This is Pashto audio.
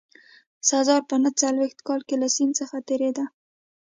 سزار په نه څلوېښت کال کې له سیند څخه تېرېده.